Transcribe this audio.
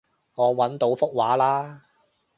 我搵到幅圖喇